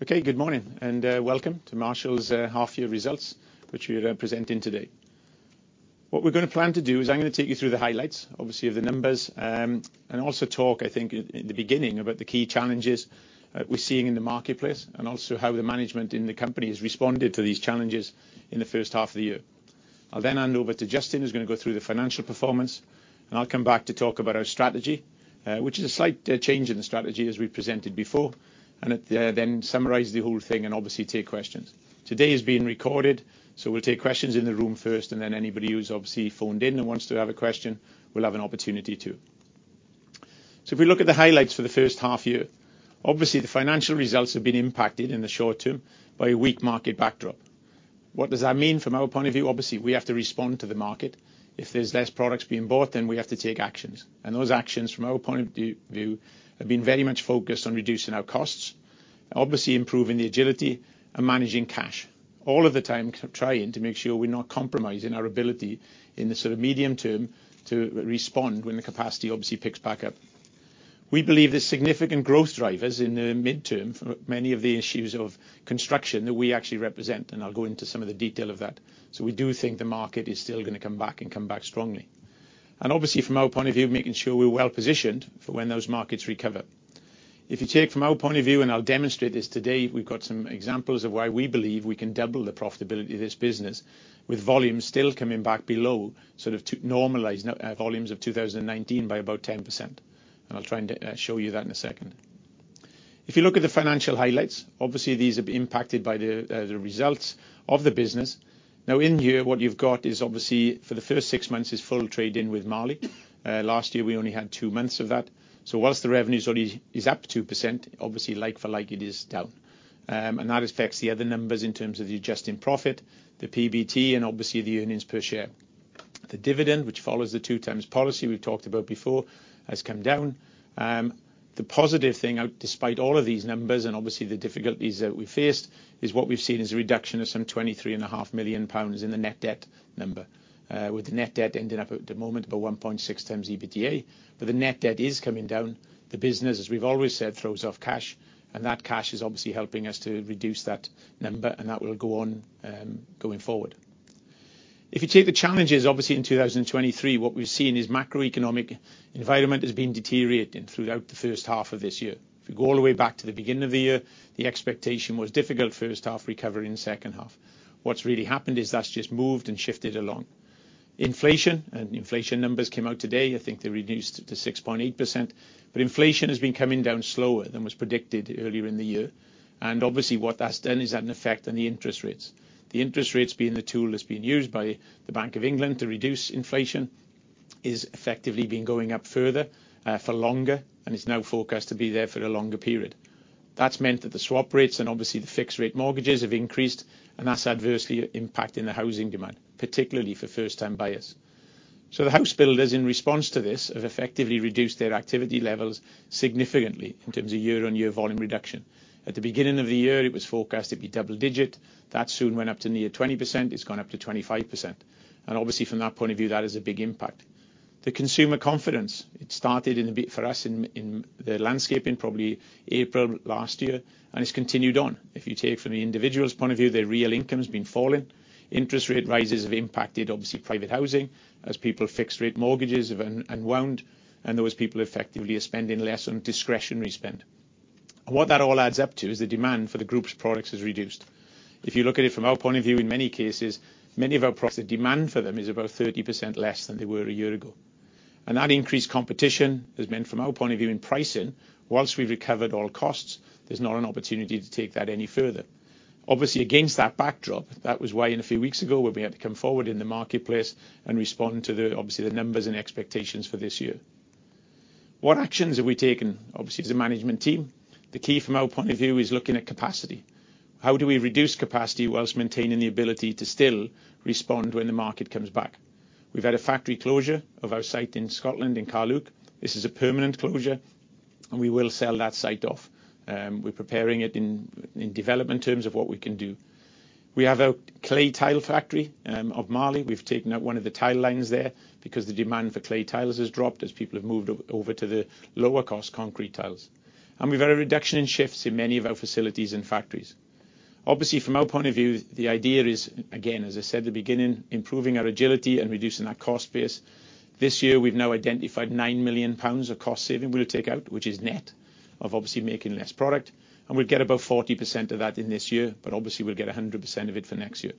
Okay, good morning, and welcome to Marshalls', half year results, which we are presenting today. What we're gonna plan to do is I'm gonna take you through the highlights, obviously, of the numbers, and also talk, I think, in the beginning, about the key challenges that we're seeing in the marketplace, and also how the management in the company has responded to these challenges in the first half of the year. I'll then hand over to Justin, who's gonna go through the financial performance, and I'll come back to talk about our strategy, which is a slight change in the strategy as we presented before, and at then summarize the whole thing and obviously take questions. Today is being recorded, we'll take questions in the room first, and then anybody who's obviously phoned in and wants to have a question will have an opportunity to. If we look at the highlights for the first half-year, obviously the financial results have been impacted in the short term by a weak market backdrop. What does that mean from our point of view? Obviously, we have to respond to the market. If there's less products being bought, then we have to take actions, and those actions, from our point of view, have been very much focused on reducing our costs, obviously improving the agility and managing cash, all of the time, trying to make sure we're not compromising our ability in the sort of medium term to respond when the capacity obviously picks back up. We believe there's significant growth drivers in the midterm for many of the issues of construction that we actually represent, and I'll go into some of the detail of that. We do think the market is still gonna come back and come back strongly. Obviously, from our point of view, making sure we're well positioned for when those markets recover. If you take from our point of view, and I'll demonstrate this today, we've got some examples of why we believe we can double the profitability of this business, with volumes still coming back below, sort of to normalize volumes of 2019 by about 10%, and I'll try and show you that in a second. If you look at the financial highlights, obviously these have been impacted by the results of the business. In here, what you've got is, obviously, for the first six months, is full trading with Marley. Last year we only had two months of that. Whilst the revenue is already, is up 2%, obviously like for like, it is down. That affects the other numbers in terms of the adjusting profit, the PBT and obviously the earnings per share. The dividend, which follows the two-times policy we've talked about before, has come down. The positive thing out, despite all of these numbers and obviously the difficulties that we faced, is what we've seen is a reduction of some 23.5 million pounds in the net debt number, with the net debt ending up at the moment about 1.6x EBITDA, but the net debt is coming down. The business, as we've always said, throws off cash, and that cash is obviously helping us to reduce that number, and that will go on going forward. If you take the challenges, obviously in 2023, what we've seen is macroeconomic environment has been deteriorating throughout the first half of this year. If you go all the way back to the beginning of the year, the expectation was difficult first half, recovery in second half. What's really happened is that's just moved and shifted along. Inflation, and inflation numbers came out today, I think they reduced it to 6.8%, but inflation has been coming down slower than was predicted earlier in the year, and obviously what that's done is had an effect on the interest rates. The interest rates being the tool that's been used by the Bank of England to reduce inflation is effectively been going up further, for longer, and is now forecast to be there for a longer period. That's meant that the swap rates and obviously the fixed rate mortgages have increased, and that's adversely impacting the housing demand, particularly for first-time buyers. The house builders, in response to this, have effectively reduced their activity levels significantly in terms of year-on-year volume reduction. At the beginning of the year, it was forecast to be double digit. That soon went up to near 20%. It's gone up to 25%, and obviously from that point of view, that is a big impact. The consumer confidence, it started in the big, for us, in the landscaping, probably April last year, and it's continued on. If you take from the individual's point of view, their real income's been falling, interest rate rises have impacted, obviously, private housing as people fixed rate mortgages have unwound, and those people effectively are spending less on discretionary spend. What that all adds up to is the demand for the group's products has reduced. If you look at it from our point of view, in many cases, many of our products, the demand for them is about 30% less than they were a year ago. That increased competition has meant, from our point of view in pricing, whilst we've recovered all costs, there's not an opportunity to take that any further. Obviously, against that backdrop, that was why in a few weeks ago, we've been able to come forward in the marketplace and respond to the, obviously, the numbers and expectations for this year. What actions have we taken, obviously, as a management team? The key from our point of view is looking at capacity. How do we reduce capacity while maintaining the ability to still respond when the market comes back? We've had a factory closure of our site in Scotland, in Carluke. We're preparing it in, in development terms of what we can do. We have a clay tile factory of Marley. We've taken out one of the tile lines there because the demand for clay tiles has dropped as people have moved over to the lower cost concrete tiles. We've had a reduction in shifts in many of our facilities and factories. Obviously, from our point of view, the idea is, again, as I said at the beginning, improving our agility and reducing that cost base. This year, we've now identified 9 million pounds of cost saving we'll take out, which is net, of obviously making less product, and we'll get about 40% of that in this year. Obviously we'll get 100% of it for next year.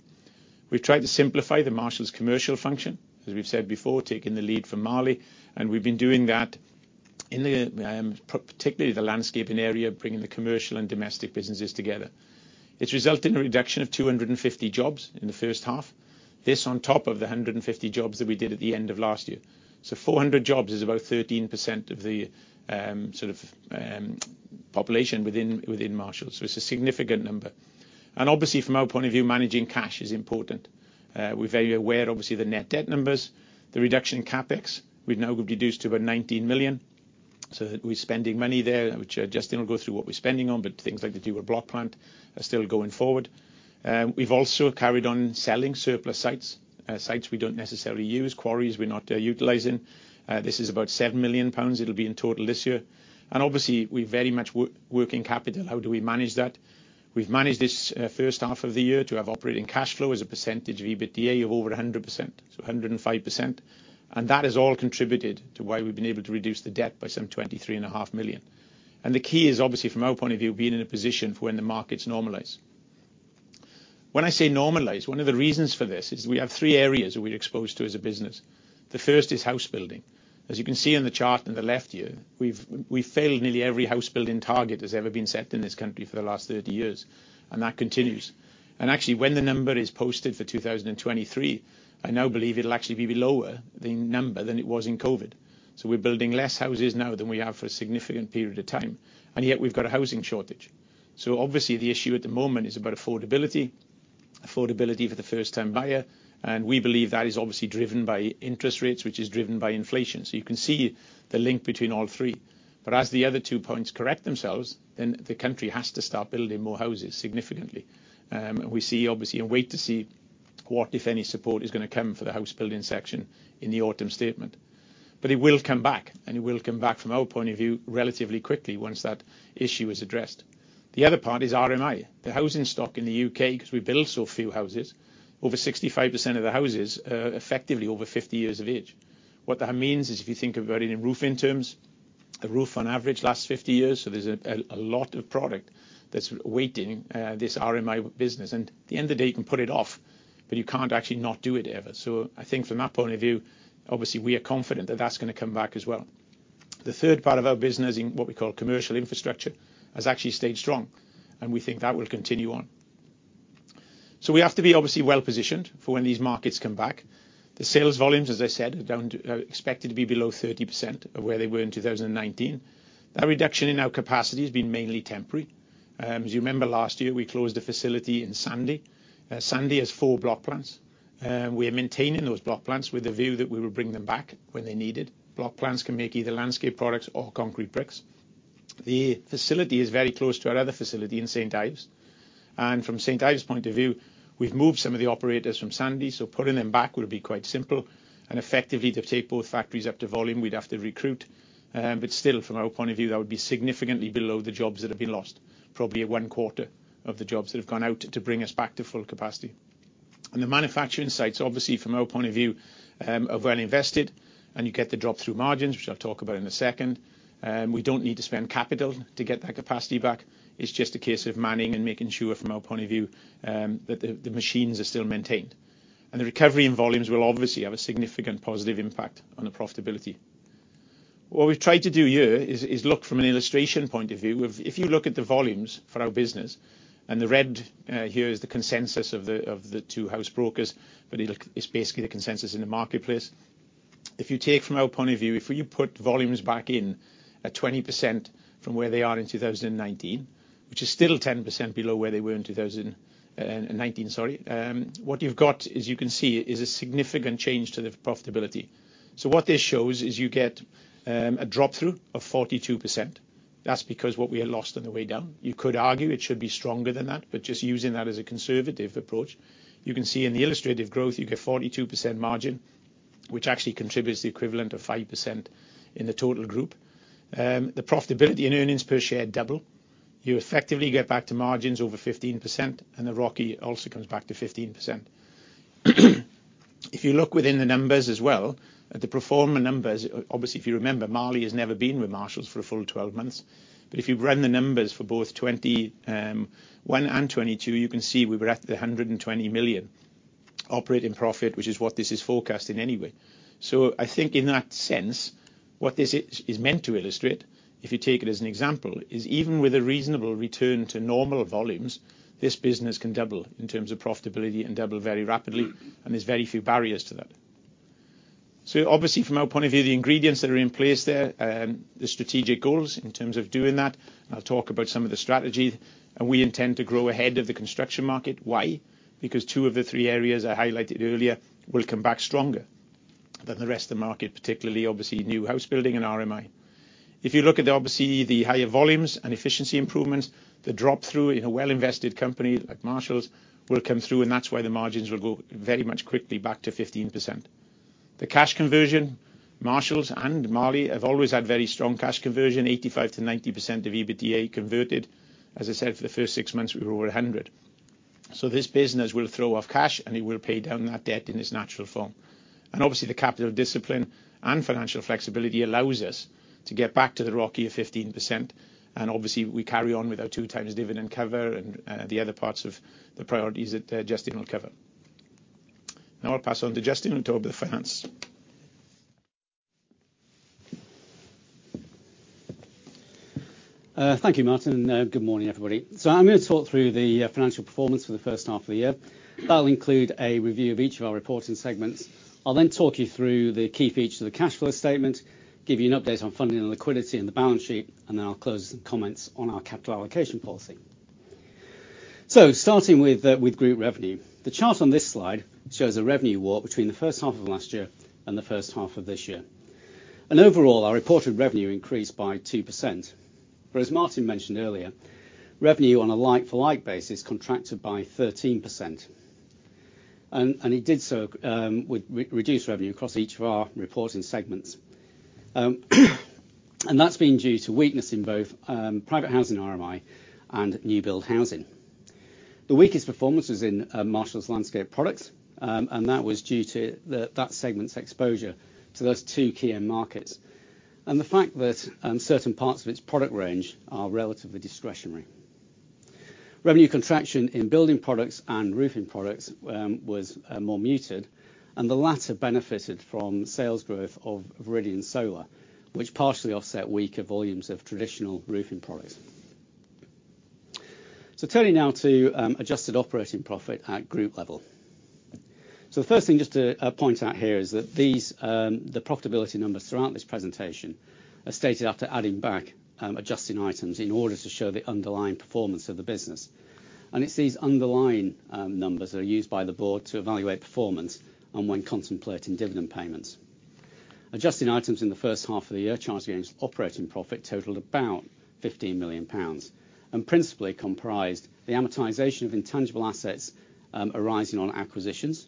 We've tried to simplify the Marshalls commercial function, as we've said before, taking the lead from Marley, and we've been doing that in the particularly the landscaping area, bringing the commercial and domestic businesses together. It's resulted in a reduction of 250 jobs in the first half. This on top of the 150 jobs that we did at the end of last year. 400 jobs is about 13% of the sort of population within Marshalls, so it's a significant number. Obviously from our point of view, managing cash is important. We're very aware, obviously, the net debt numbers, the reduction in CapEx, we've now reduced to about 19 million. We're spending money there, which Justin will go through what we're spending on, but things like the dual block plant are still going forward. We've also carried on selling surplus sites, sites we don't necessarily use, quarries we're not utilizing. This is about 7 million pounds it'll be in total this year. Obviously, we very much working capital. How do we manage that? We've managed this first half of the year to have operating cash flow as a percentage of EBITDA of over 100%, so 105%. That has all contributed to why we've been able to reduce the debt by some 23.5 million. The key is obviously, from our point of view, being in a position for when the markets normalize. When I say normalize, one of the reasons for this is we have three areas that we're exposed to as a business. The first is house building. As you can see in the chart in the left here, we've, we've failed nearly every house building target that's ever been set in this country for the last 30 years. That continues. Actually, when the number is posted for 2023, I now believe it'll actually be lower, the number, than it was in COVID. We're building less houses now than we have for a significant period of time, and yet we've got a housing shortage. Obviously, the issue at the moment is about affordability, affordability for the first-time buyer, and we believe that is obviously driven by interest rates, which is driven by inflation. You can see the link between all three. As the other two points correct themselves, then the country has to start building more houses significantly. We see, obviously, and wait to see what, if any, support is gonna come for the house building section in the autumn statement. It will come back, and it will come back, from our point of view, relatively quickly once that issue is addressed. The other part is RMI. The housing stock in the U.K., 'cause we build so few houses, over 65% of the houses are effectively over 50 years of age. What that means is, if you think about it in roofing terms, a roof on average lasts 50 years, so there's a lot of product that's waiting, this RMI business. At the end of the day, you can put it off, but you can't actually not do it ever. I think from that point of view, obviously, we are confident that that's gonna come back as well. The third part of our business in what we call commercial infrastructure, has actually stayed strong, and we think that will continue on. We have to be obviously well-positioned for when these markets come back. The sales volumes, as I said, are down to... Expected to be below 30% of where they were in 2019. That reduction in our capacity has been mainly temporary. As you remember, last year, we closed the facility in Sandy. Sandy has four block plants. We are maintaining those block plants with the view that we will bring them back when they're needed. Block plants can make either landscape products or concrete bricks. The facility is very close to our other facility in St. Ives, from St. Ives' point of view, we've moved some of the operators from Sandy, so putting them back would be quite simple. Effectively, to take both factories up to volume, we'd have to recruit, but still, from our point of view, that would be significantly below the jobs that have been lost, probably at one quarter of the jobs that have gone out to bring us back to full capacity. The manufacturing sites, obviously, from our point of view, are well invested, and you get the drop-through margins, which I'll talk about in a second. We don't need to spend capital to get that capacity back. It's just a case of manning and making sure, from our point of view, that the, the machines are still maintained. The recovery in volumes will obviously have a significant positive impact on the profitability. What we've tried to do here is, is look from an illustration point of view. If you look at the volumes for our business, and the red here is the consensus of the two house brokers, but it look, it's basically the consensus in the marketplace. If you take, from our point of view, if you put volumes back in at 20% from where they are in 2019, which is still 10% below where they were in 2019 sorry, what you've got is, you can see, is a significant change to the profitability. What this shows is you get a drop-through of 42%. That's because what we had lost on the way down. You could argue it should be stronger than that, but just using that as a conservative approach, you can see in the illustrative growth, you get 42% margin, which actually contributes the equivalent of 5% in the total group. The profitability and EPS double. You effectively get back to margins over 15%, and the ROCE also comes back to 15%. If you look within the numbers as well, at the pro forma numbers, obviously, if you remember, Marley has never been with Marshalls for a full 12 months, but if you run the numbers for both 2021 and 2022, you can see we were at the 120 million operating profit, which is what this is forecasting anyway. I think in that sense, what this is, is meant to illustrate, if you take it as an example, is even with a reasonable return to normal volumes, this business can double in terms of profitability and double very rapidly, and there's very few barriers to that. Obviously, from our point of view, the ingredients that are in place there, the strategic goals in terms of doing that, and I'll talk about some of the strategy, and we intend to grow ahead of the construction market. Why? Because two of the three areas I highlighted earlier will come back stronger than the rest of the market, particularly obviously, new house building and RMI. If you look at obviously the higher volumes and efficiency improvements, the drop-through in a well-invested company like Marshalls will come through, and that's why the margins will go very much quickly back to 15%. The cash conversion, Marshalls and Marley, have always had very strong cash conversion, 85%-90% of EBITDA converted. As I said, for the first six months, we were over 100. This business will throw off cash, and it will pay down that debt in its natural form. Obviously, the capital discipline and financial flexibility allows us to get back to the ROCE of 15%, and obviously, we carry on with our 2x dividend cover and the other parts of the priorities that Justin will cover. Now I'll pass on to Justin to talk about the finance. Thank you, Martyn, good morning, everybody. I'm gonna talk through the financial performance for the first half of the year. That'll include a review of each of our reporting segments. I'll then talk you through the key features of the cash flow statement, give you an update on funding and liquidity and the balance sheet, and then I'll close with comments on our capital allocation policy. Starting with group revenue. The chart on this slide shows a revenue walk between the first half of last year and the first half of this year. Overall, our reported revenue increased by 2%. As Martyn mentioned earlier, revenue on a like-for-like basis contracted by 13%, and it did so with re-reduced revenue across each of our reporting segments. That's been due to weakness in both private housing RMI and new build housing. The weakest performance was in Marshalls Landscape Products, that was due to the, that segment's exposure to those two key end markets and the fact that certain parts of its product range are relatively discretionary. Revenue contraction in building products and roofing products was more muted, the latter benefited from sales growth of Viridian Solar, which partially offset weaker volumes of traditional roofing products. Turning now to adjusted operating profit at group level. The first thing just to point out here is that these the profitability numbers throughout this presentation are stated after adding back adjusting items in order to show the underlying performance of the business. It's these underlying numbers that are used by the board to evaluate performance and when contemplating dividend payments. Adjusting items in the first half of the year, charges against operating profit totaled about 15 million pounds, and principally comprised the amortization of intangible assets arising on acquisitions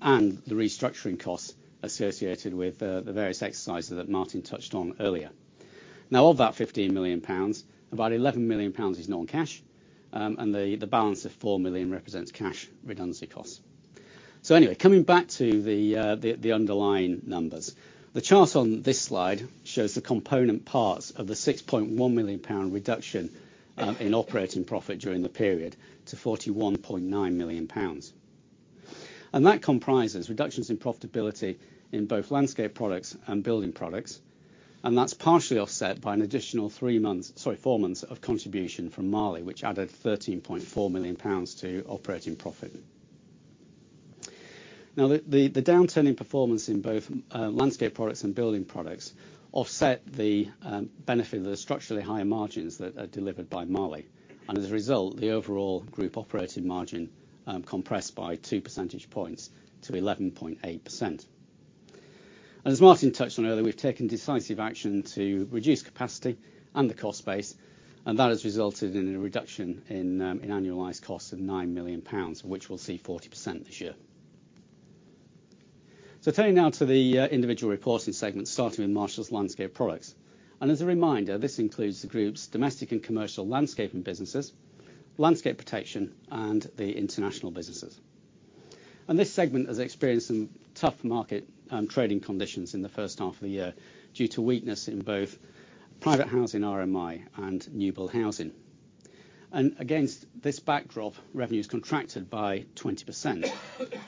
and the restructuring costs associated with the various exercises that Martyn touched on earlier. Of that 15 million pounds, about 11 million pounds is non-cash, and the balance of 4 million represents cash redundancy costs. Coming back to the underlying numbers, the chart on this slide shows the component parts of the 6.1 million pound reduction in operating profit during the period to 41.9 million pounds. That comprises reductions in profitability in both Marshalls Landscape Products and Marshalls Building Products, and that's partially offset by an additional three months, sorry, four months of contribution from Marley, which added 13.4 million pounds to operating profit. The downturn in performance in both Marshalls Landscape Products and Marshalls Building Products offset the benefit of the structurally higher margins that are delivered by Marley, and as a result, the overall group operating margin compressed by two percentage points to 11.8%. As Martyn touched on earlier, we've taken decisive action to reduce capacity and the cost base, and that has resulted in a reduction in annualized costs of 9 million pounds, which we'll see 40% this year. Turning now to the individual reporting segments, starting with Marshalls Landscape Products. As a reminder, this includes the group's domestic and commercial landscaping businesses, landscape protection, and the international businesses. This segment has experienced some tough market trading conditions in the first half of the year due to weakness in both private housing RMI and new build housing. Against this backdrop, revenue's contracted by 20%,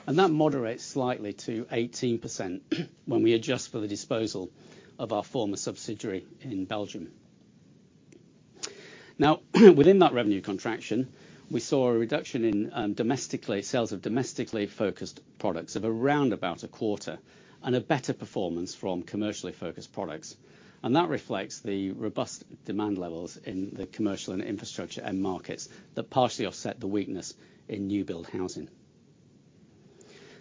and that moderates slightly to 18% when we adjust for the disposal of our former subsidiary in Belgium. Now, within that revenue contraction, we saw a reduction in domestically, sales of domestically focused products of around about 25%, and a better performance from commercially focused products. That reflects the robust demand levels in the commercial and infrastructure end markets that partially offset the weakness in new build housing.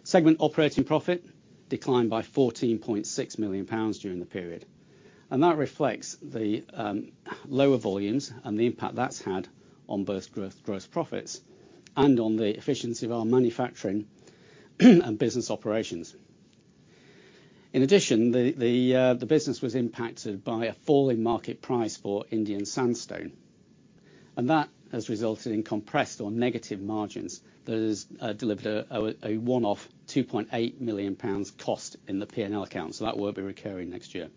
Segment operating profit declined by 14.6 million pounds during the period. That reflects the lower volumes and the impact that's had on both growth, gross profits and on the efficiency of our manufacturing and business operations. In addition, the business was impacted by a fall in market price for Indian sandstone, and that has resulted in compressed or negative margins that has delivered a one-off 2.8 million pounds cost in the P&L account, so that will be recurring next year.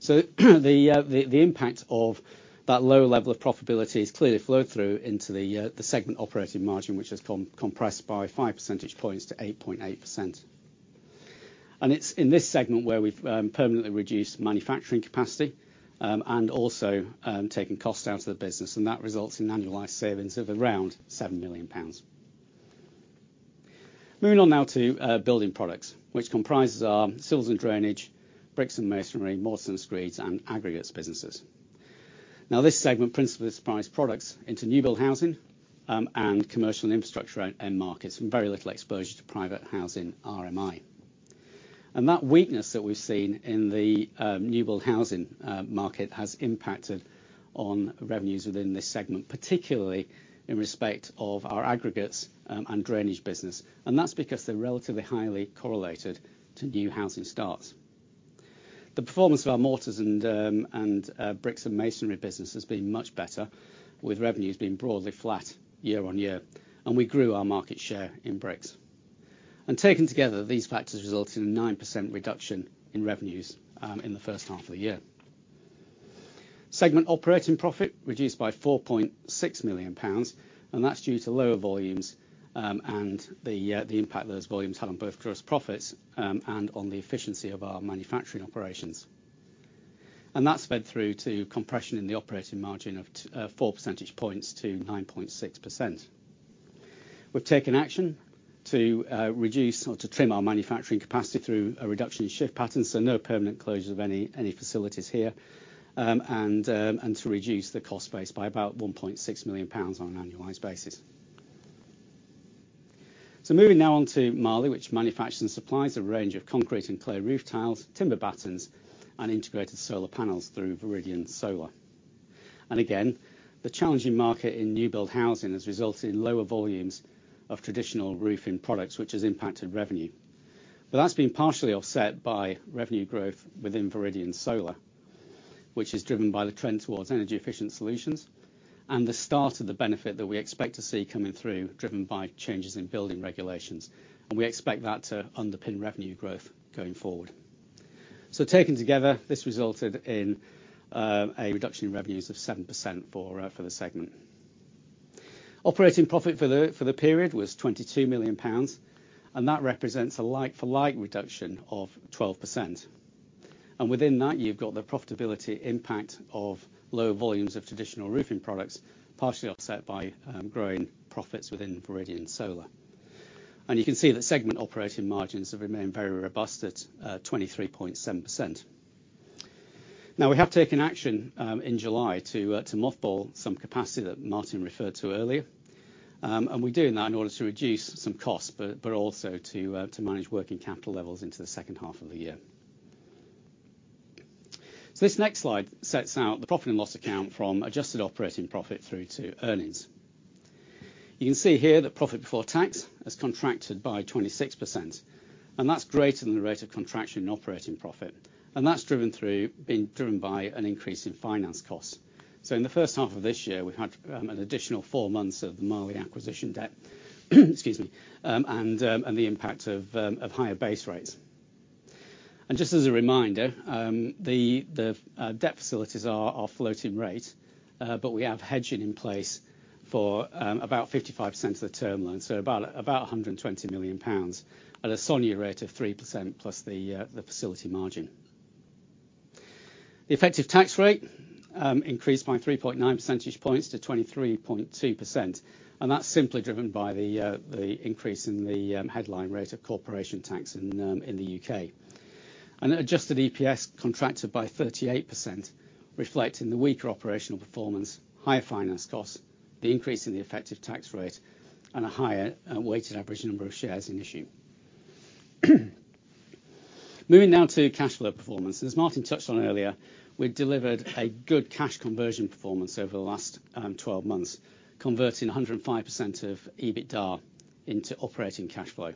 The impact of that lower level of profitability has clearly flowed through into the segment operating margin, which has compressed by 5 percentage points to 8.8%. It's in this segment where we've permanently reduced manufacturing capacity and also taking costs out of the business, and that results in annualized savings of around 7 million pounds. Moving on now to building products, which comprises our Civils and Drainage, Bricks and Masonry, Mortars and Screeds, and Aggregates businesses. This segment principally supplies products into new build housing and commercial and infrastructure end markets, and very little exposure to private housing RMI. That weakness that we've seen in the new build housing market has impacted on revenues within this segment, particularly in respect of our aggregates and drainage business, and that's because they're relatively highly correlated to new housing starts. The performance of our Mortars and and Bricks and Masonry business has been much better, with revenues being broadly flat year on year, and we grew our market share in bricks. Taken together, these factors resulted in a 9% reduction in revenues in the first half of the year. Segment operating profit reduced by 4.6 million pounds, and that's due to lower volumes and the impact those volumes had on both gross profits and on the efficiency of our manufacturing operations. That sped through to compression in the operating margin of four percentage points to 9.6%. We've taken action to reduce or to trim our manufacturing capacity through a reduction in shift patterns, so no permanent closures of any, any facilities here. To reduce the cost base by about 1.6 million pounds on an annualized basis. Moving now on to Marley, which manufactures and supplies a range of concrete and clay roof tiles, timber battens, and integrated solar panels through Viridian Solar. Again, the challenging market in new build housing has resulted in lower volumes of traditional roofing products, which has impacted revenue. That's been partially offset by revenue growth within Viridian Solar, which is driven by the trend towards energy efficient solutions and the start of the benefit that we expect to see coming through, driven by changes in building regulations, and we expect that to underpin revenue growth going forward. Taken together, this resulted in a reduction in revenues of 7% for the segment. Operating profit for the period was 22 million pounds, that represents a like for like reduction of 12%. Within that, you've got the profitability impact of low volumes of traditional roofing products, partially offset by growing profits within Viridian Solar. You can see that segment operating margins have remained very robust at 23.7%. Now, we have taken action in July to mothball some capacity that Martyn referred to earlier. We're doing that in order to reduce some costs, but also to manage working capital levels into the second half of the year. This next slide sets out the Profit and Loss account from adjusted operating profit through to earnings. You can see here that profit before tax has contracted by 26%, and that's greater than the rate of contraction in operating profit, and that's driven through, been driven by an increase in finance costs. In the first half of this year, we had an additional four months of the Marley acquisition debt, excuse me, and the impact of higher base rates. Just as a reminder, the debt facilities are floating rate, but we have hedging in place for about 55% of the term loan, so about 120 million pounds at a SONIA rate of 3% plus the facility margin. The effective tax rate increased by 3.9 percentage points to 23.2%. That's simply driven by the increase in the headline rate of corporation tax in the UK. Adjusted EPS contracted by 38%, reflecting the weaker operational performance, higher finance costs, the increase in the effective tax rate, and a higher weighted average number of shares in issue. Moving down to cash flow performance, as Martyn touched on earlier, we delivered a good cash conversion performance over the last 12 months, converting 105% of EBITDA into operating cash flow.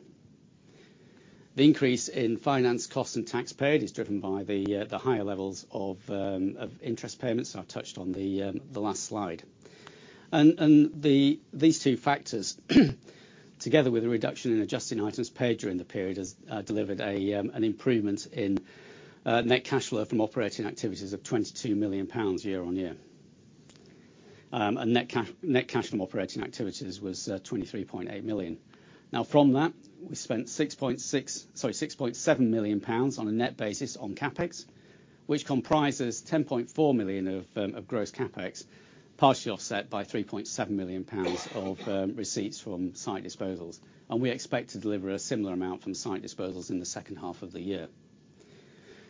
The increase in finance costs and tax paid is driven by the higher levels of interest payments I've touched on the last slide. These two factors, together with a reduction in adjusting items paid during the period, has delivered an improvement in net cash flow from operating activities of 22 million pounds year-on-year. Net cash from operating activities was 23.8 million. From that, we spent 6.7 million pounds on a net basis on CapEx, which comprises 10.4 million of gross CapEx, partially offset by 3.7 million pounds of receipts from site disposals, and we expect to deliver a similar amount from site disposals in the second half of the year.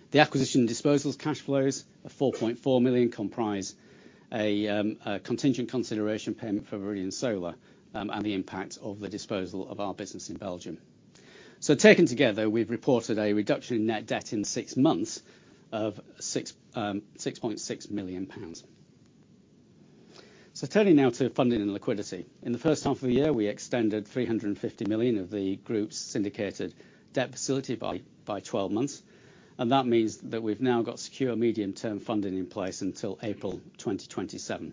The acquisition disposals cash flows of 4.4 million comprise a contingent consideration payment for Viridian Solar and the impact of the disposal of our business in Belgium. Taken together, we've reported a reduction in net debt in six months of 6.6 million pounds. Turning now to funding and liquidity. In the first half of the year, we extended 350 million of the group's syndicated debt facility by 12 months, and that means that we've now got secure medium-term funding in place until April 2027.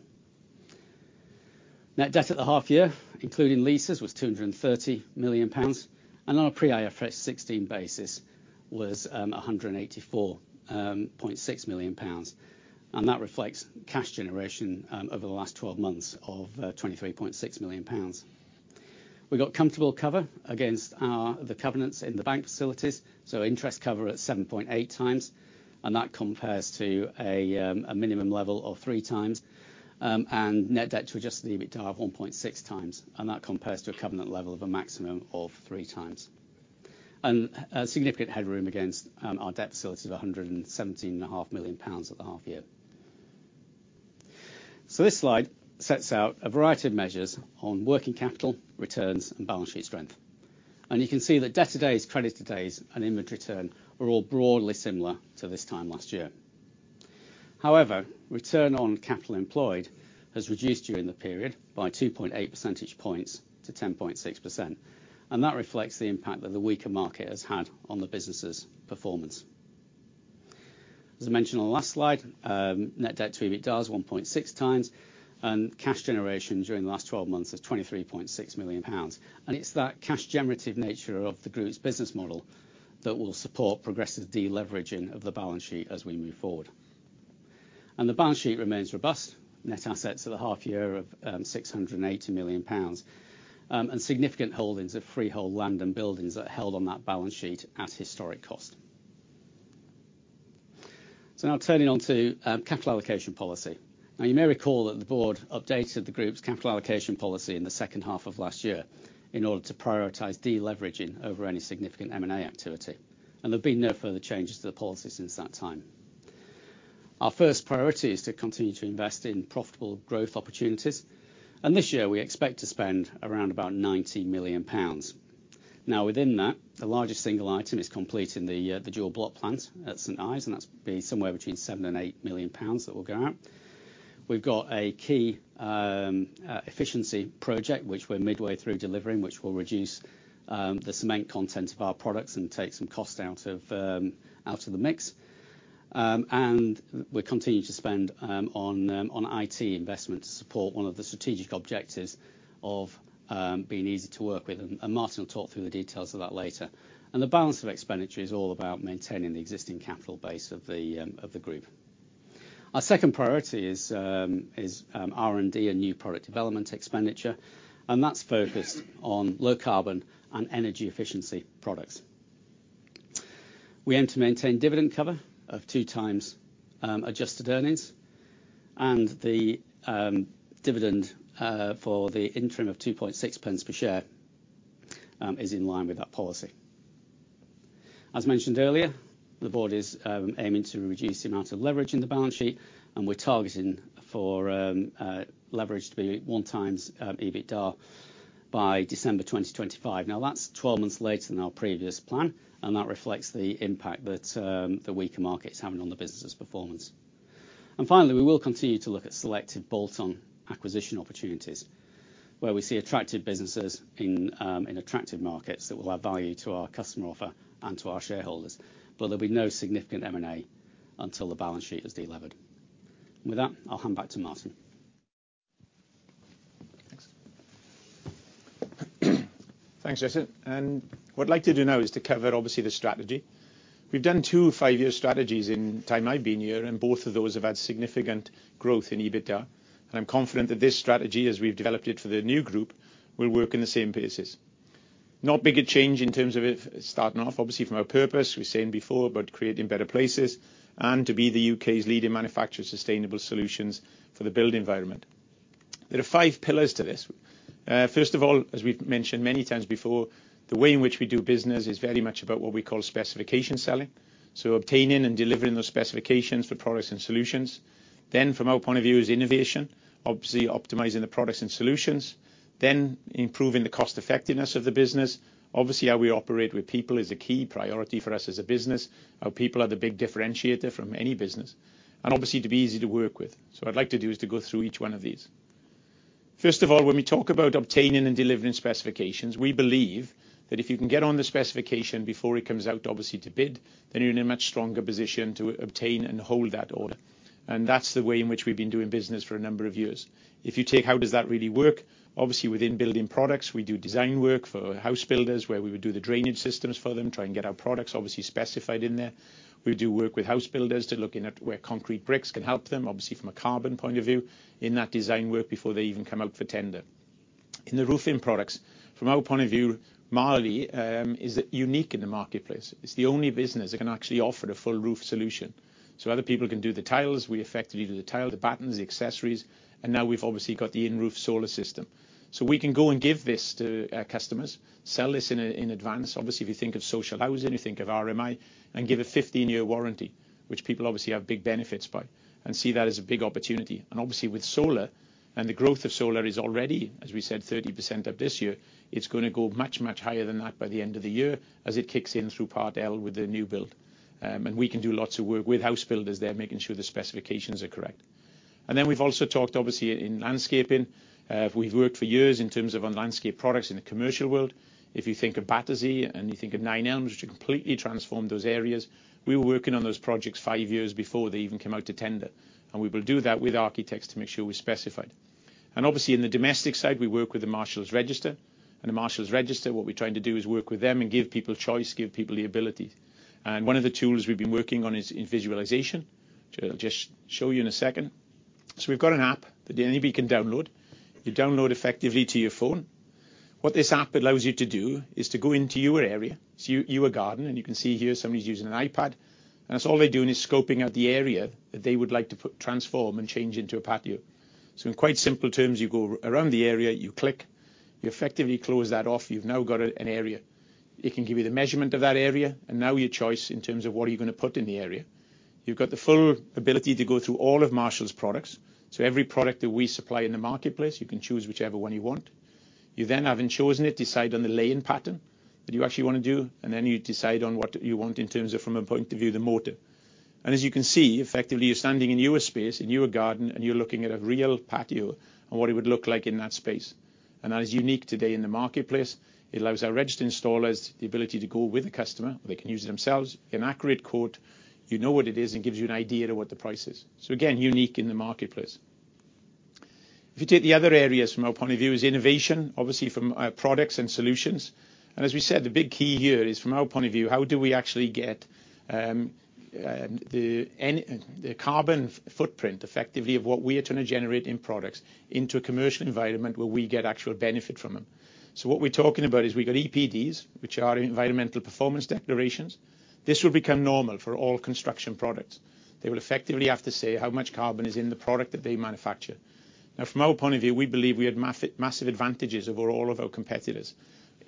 Net debt at the half year, including leases, was 230 million pounds, and on a pre-IFRS 16 basis was 184.6 million pounds, and that reflects cash generation over the last 12 months of 23.6 million pounds. We got comfortable cover against our, the covenants in the bank facilities, so interest cover at 7.8x, and that compares to a minimum level of 3x, and net debt to adjusted EBITDA of 1.6x, and that compares to a covenant level of a maximum of 3x. A significant headroom against our debt facilities of 117.5 million pounds at the half year. This slide sets out a variety of measures on working capital, returns, and balance sheet strength, and you can see that debt to days, credit to days, and inventory turn are all broadly similar to this time last year. However, return on capital employed has reduced during the period by 2.8 percentage points to 10.6%, that reflects the impact that the weaker market has had on the business's performance. As I mentioned on the last slide, net debt to EBITDA is 1.6x, cash generation during the last 12 months is 23.6 million pounds. It's that cash generative nature of the group's business model that will support progressive deleveraging of the balance sheet as we move forward. The balance sheet remains robust, net assets at the half year of 680 million pounds, and significant holdings of freehold land and buildings that are held on that balance sheet at historic cost. Now turning on to capital allocation policy. You may recall that the board updated the group's capital allocation policy in the second half of last year in order to prioritize de-leveraging over any significant M&A activity, and there've been no further changes to the policy since that time. Our first priority is to continue to invest in profitable growth opportunities, and this year we expect to spend around about 90 million pounds. Within that, the largest single item is completing the dual block plant at St. Ives, and that's be somewhere between 7 million-8 million pounds that will go out. We've got a key efficiency project, which we're midway through delivering, which will reduce the cement content of our products and take some cost out of out of the mix. We're continuing to spend on IT investment to support one of the strategic objectives of being easy to work with, and Martyn will talk through the details of that later. The balance of expenditure is all about maintaining the existing capital base of the group. Our second priority is R&D and new product development expenditure, and that's focused on low carbon and energy efficiency products. We aim to maintain dividend cover of 2x adjusted earnings, the dividend for the interim of 2.6 pence per share is in line with that policy. As mentioned earlier, the board is aiming to reduce the amount of leverage in the balance sheet, we're targeting for leverage to be 1 times EBITDA by December 2025. That's 12 months later than our previous plan, and that reflects the impact that the weaker market is having on the business's performance. Finally, we will continue to look at selected bolt-on acquisition opportunities, where we see attractive businesses in attractive markets that will add value to our customer offer and to our shareholders, but there'll be no significant M&A until the balance sheet is de-levered. With that, I'll hand back to Martyn. Thanks. Thanks, Justin. What I'd like to do now is to cover, obviously, the strategy. We've done two five-year strategies in the time I've been here, and both of those have had significant growth in EBITDA. I'm confident that this strategy, as we've developed it for the new group, will work in the same basis. Not big a change in terms of it starting off, obviously, from our purpose. We've seen before, about creating better places and to be the U.K.'s leading manufacturer of sustainable solutions for the build environment. There are five pillars to this. First of all, as we've mentioned many times before, the way in which we do business is very much about what we call specification selling, so obtaining and delivering those specifications for products and solutions. From our point of view is innovation, obviously optimizing the products and solutions, then improving the cost effectiveness of the business. Obviously, how we operate with people is a key priority for us as a business. Our people are the big differentiator from any business, and obviously to be easy to work with. What I'd like to do is to go through each one of these. First of all, when we talk about obtaining and delivering specifications, we believe that if you can get on the specification before it comes out, obviously to bid, then you're in a much stronger position to obtain and hold that order, and that's the way in which we've been doing business for a number of years. If you take, how does that really work? Obviously, within building products, we do design work for house builders, where we would do the drainage systems for them, try and get our products, obviously, specified in there. We do work with house builders to look in at where concrete bricks can help them, obviously from a carbon point of view, in that design work before they even come out for tender. In the roofing products, from our point of view, Marley is unique in the marketplace. It's the only business that can actually offer a full roof solution. Other people can do the tiles. We effectively do the tile, the battens, the accessories, and now we've obviously got the in-roof solar system. We can go and give this to our customers, sell this in advance. Obviously, if you think of social housing, you think of RMI, and give a 15-year warranty, which people obviously have big benefits by, and see that as a big opportunity. Obviously, with solar, and the growth of solar is already, as we said, 30% up this year. It's gonna go much, much higher than that by the end of the year as it kicks in through Part L with the new build. We can do lots of work with house builders there, making sure the specifications are correct. We've also talked, obviously, in landscaping. We've worked for years in terms of on landscape products in the commercial world. If you think of Battersea and you think of Nine Elms, which completely transformed those areas, we were working on those projects five years before they even came out to tender, and we will do that with architects to make sure we're specified. Obviously, in the domestic side, we work with the Marshalls Register, the Marshalls Register, what we're trying to do is work with them and give people choice, give people the ability. One of the tools we've been working on is in visualization, which I'll just show you in a second. We've got an app that anybody can download. You download effectively to your phone. What this app allows you to do is to go into your area, so your garden. You can see here somebody's using an iPad, and that's all they're doing is scoping out the area that they would like to put, transform, and change into a patio. In quite simple terms, you go around the area, you click, you effectively close that off. You've now got an area. It can give you the measurement of that area. Now your choice in terms of what are you gonna put in the area. You've got the full ability to go through all of Marshalls' products, so every product that we supply in the marketplace, you can choose whichever one you want. You then, having chosen it, decide on the laying pattern that you actually wanna do, and then you decide on what you want in terms of, from a point of view, the mortar. As you can see, effectively, you're standing in your space, in your garden, and you're looking at a real patio and what it would look like in that space. That is unique today in the marketplace. It allows our registered installers the ability to go with the customer, or they can use it themselves. An accurate quote, you know what it is, and gives you an idea of what the price is. Again, unique in the marketplace. If you take the other areas, from our point of view, is innovation, obviously from our products and solutions, and as we said, the big key here is, from our point of view, how do we actually get the carbon footprint effectively of what we are trying to generate in products into a commercial environment where we get actual benefit from them? What we're talking about is we got EPDs, which are Environmental Product Declarations. This will become normal for all construction products. They will effectively have to say how much carbon is in the product that they manufacture. Now, from our point of view, we believe we have massive advantages over all of our competitors.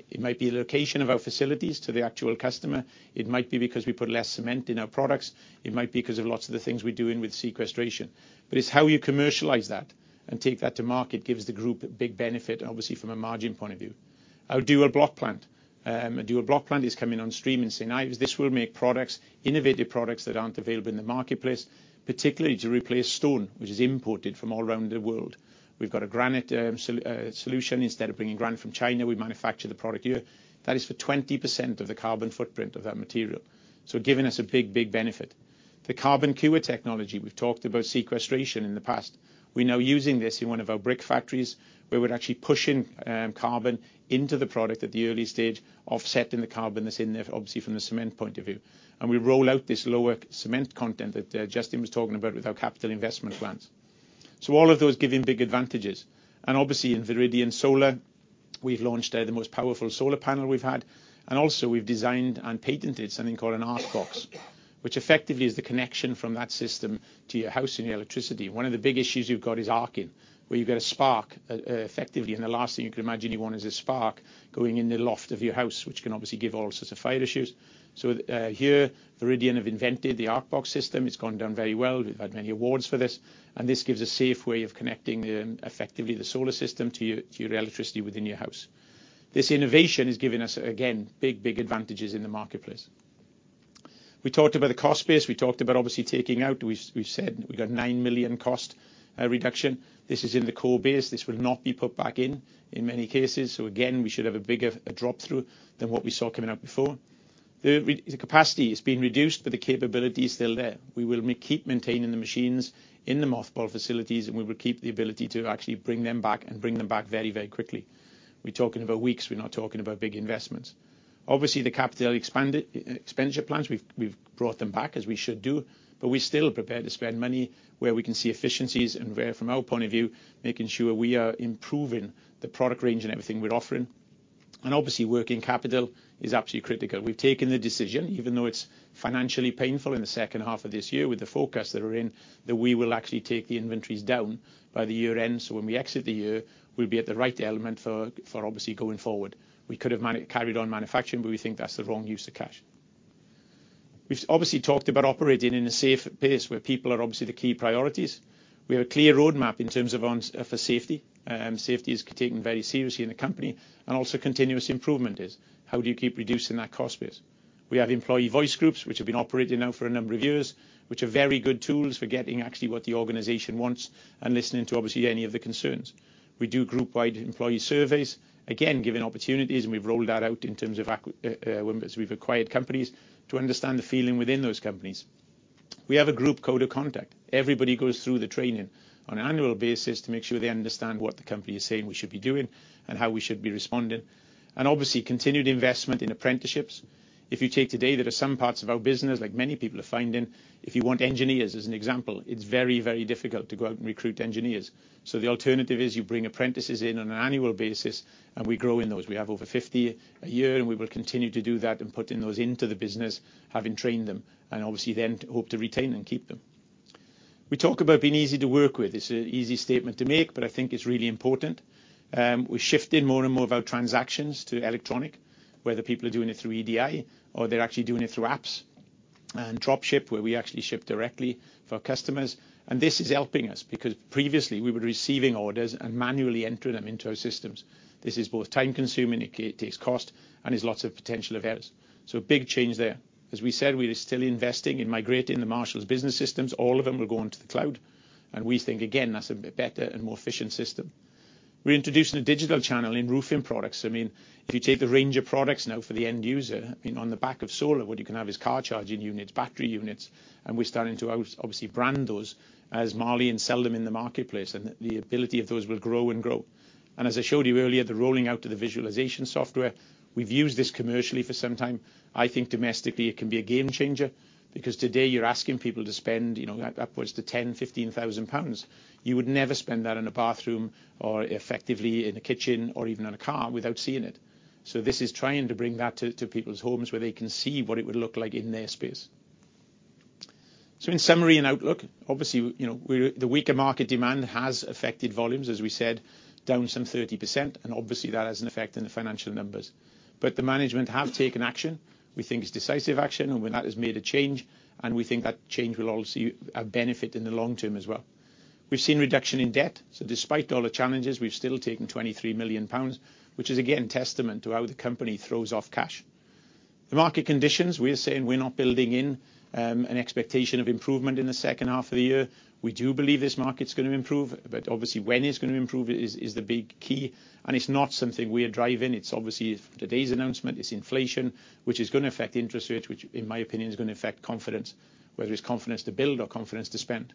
It might be the location of our facilities to the actual customer. It might be because we put less cement in our products. It might be because of lots of the things we're doing with sequestration. It's how you commercialize that and take that to market, gives the group a big benefit, obviously, from a margin point of view. Our dual block plant, a dual block plant is coming on stream in St. Ives. This will make products, innovative products, that aren't available in the marketplace, particularly to replace stone, which is imported from all around the world. We've got a granite solution. Instead of bringing granite from China, we manufacture the product here. That is for 20% of the carbon footprint of that material, so giving us a big, big benefit. The CarbonCure technology, we've talked about sequestration in the past. We're now using this in one of our brick factories, where we're actually pushing carbon into the product at the early stage, offsetting the carbon that's in there, obviously, from the cement point of view. We roll out this lower cement content that Justin was talking about with our capital investment plans. All of those giving big advantages, and obviously in Viridian Solar, we've launched the most powerful solar panel we've had, and also we've designed and patented something called an ArcBox, which effectively is the connection from that system to your house and your electricity. One of the big issues you've got is arcing, where you've got a spark, effectively, and the last thing you can imagine you want is a spark going in the loft of your house, which can obviously give all sorts of fire issues. Here, Viridian have invented the ArcBox system. It's gone down very well. We've had many awards for this, and this gives a safe way of connecting, effectively the solar system to your, your electricity within your house. This innovation has given us, again, big, big advantages in the marketplace. We talked about the cost base. We talked about obviously taking out. We, we've said we got 9 million cost reduction. This is in the core base. This will not be put back in in many cases, so again, we should have a bigger drop-through than what we saw coming out before. The capacity has been reduced, but the capability is still there. We will keep maintaining the machines in the mothballed facilities, and we will keep the ability to actually bring them back and bring them back very, very quickly. We're talking about weeks. We're not talking about big investments. Obviously, the capital expenditure plans, we've brought them back as we should do, but we're still prepared to spend money where we can see efficiencies and where, from our point of view, making sure we are improving the product range and everything we're offering. Obviously, working capital is absolutely critical. We've taken the decision, even though it's financially painful in the second half of this year with the forecast that are in, that we will actually take the inventories down by the year end, so when we exit the year, we'll be at the right element for obviously going forward. We could have carried on manufacturing, but we think that's the wrong use of cash. We've obviously talked about operating in a safe pace where people are obviously the key priorities. We have a clear roadmap in terms of on for safety, and safety is taken very seriously in the company and also continuous improvement is. How do you keep reducing that cost base? We have employee voice groups, which have been operating now for a number of years, which are very good tools for getting actually what the organization wants and listening to, obviously, any of the concerns. We do group-wide employee surveys, again, giving opportunities, and we've rolled that out in terms of as we've acquired companies to understand the feeling within those companies. We have a group code of conduct. Everybody goes through the training on an annual basis to make sure they understand what the company is saying we should be doing and how we should be responding, and obviously, continued investment in apprenticeships. If you take today, there are some parts of our business, like many people are finding, if you want engineers, as an example, it's very, very difficult to go out and recruit engineers. The alternative is you bring apprentices in on an annual basis, and we grow in those. We have over 50 a year, and we will continue to do that and putting those into the business, having trained them, and obviously then hope to retain and keep them. We talk about being easy to work with. It's an easy statement to make, but I think it's really important. We're shifting more and more of our transactions to electronic, whether people are doing it through EDI or they're actually doing it through apps and drop ship, where we actually ship directly for customers. This is helping us because previously we were receiving orders and manually entering them into our systems. This is both time-consuming, and it takes cost and is lots of potential errors, so a big change there. As we said, we are still investing in migrating the Marshalls business systems. All of them will go into the cloud, and we think, again, that's a better and more efficient system. We're introducing a digital channel in roofing products. I mean, if you take the range of products now for the end user, I mean, on the back of solar, what you can have is car charging units, battery units, and we're starting to obviously brand those as Marley and sell them in the marketplace, and the ability of those will grow and grow. As I showed you earlier, the rolling out of the visualization software, we've used this commercially for some time. I think domestically it can be a game changer because today you're asking people to spend, you know, upwards to 10,000-15,000 pounds. You would never spend that in a bathroom or effectively in a kitchen or even in a car without seeing it. This is trying to bring that to, to people's homes where they can see what it would look like in their space. In summary and outlook, obviously, you know, The weaker market demand has affected volumes, as we said, down some 30%, and obviously, that has an effect on the financial numbers. The management have taken action. We think it's decisive action. When that has made a change, and we think that change will obviously a benefit in the long term as well. We've seen reduction in debt. Despite all the challenges, we've still taken 23 million pounds, which is, again, testament to how the company throws off cash. The market conditions, we are saying we're not building in an expectation of improvement in the second half of the year. We do believe this market's gonna improve. Obviously, when it's gonna improve is, is the big key. It's not something we are driving. It's obviously, today's announcement, it's inflation, which is gonna affect interest rates, which in my opinion is gonna affect confidence, whether it's confidence to build or confidence to spend.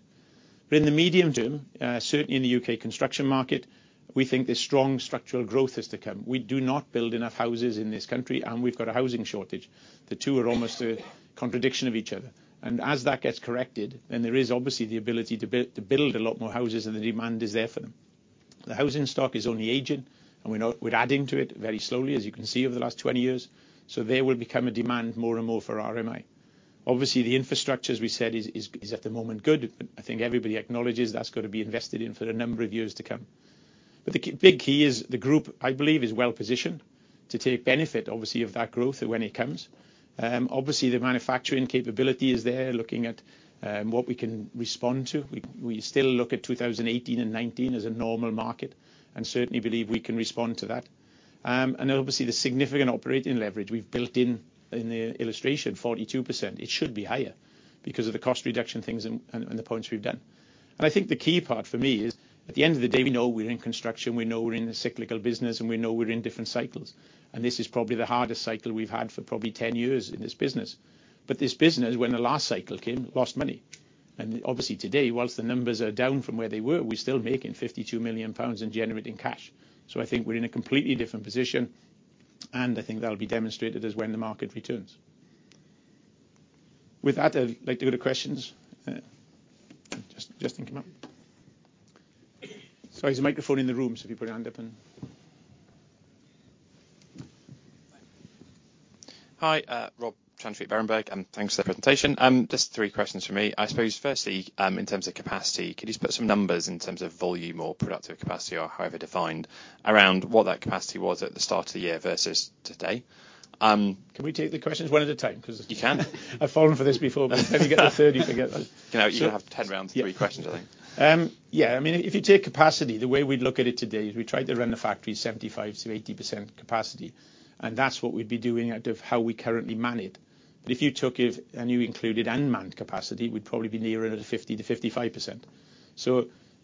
In the medium term, certainly in the U.K. construction market, we think there's strong structural growth is to come. We do not build enough houses in this country, and we've got a housing shortage. The two are almost a contradiction of each other, and as that gets corrected, then there is obviously the ability to build a lot more houses, and the demand is there for them. The housing stock is only aging, and we're not- we're adding to it very slowly, as you can see, over the last 20 years. There will become a demand more and more for RMI. Obviously, the infrastructure, as we said, is, is, is at the moment good. I think everybody acknowledges that's got to be invested in for a number of years to come. The big key is the group, I believe, is well positioned to take benefit, obviously, of that growth when it comes. Obviously, the manufacturing capability is there, looking at, what we can respond to. We, we still look at 2018 and 2019 as a normal market, and certainly believe we can respond to that. Obviously, the significant operating leverage we've built in, in the illustration, 42%, it should be higher because of the cost reduction things and, and, and the points we've done. I think the key part for me is, at the end of the day, we know we're in construction, we know we're in a cyclical business, and we know we're in different cycles. This is probably the hardest cycle we've had for probably 10 years in this business. This business, when the last cycle came, lost money, and obviously today, whilst the numbers are down from where they were, we're still making 52 million pounds and generating cash. I think we're in a completely different position, and I think that'll be demonstrated as when the market returns. With that, I'd like to go to questions. Justin, come up. There's a microphone in the room, so if you put your hand up and. Hi, Rob Chantry, Berenberg, thanks for the presentation. Just three questions from me. I suppose firstly, in terms of capacity, could you just put some numbers in terms of volume or productive capacity or however defined, around what that capacity was at the start of the year versus today? Can we take the questions one at a time? 'Cause- You can. I've fallen for this before, if you get to 30, you get them. You know, you can have 10 rounds of three questions, I think. Yeah. I mean, if you take capacity, the way we'd look at it today is we tried to run the factory 75%-80% capacity. That's what we'd be doing out of how we currently man it. If you took it and you included unmanned capacity, we'd probably be nearer to 50%-55%.